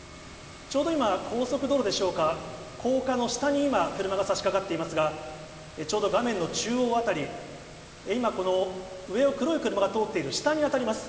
ちょうど今、高速道路でしょうか、高架の下に今、車がさしかかっていますが、ちょうど画面の中央辺り、今、この上を黒い車が通っている下に当たります。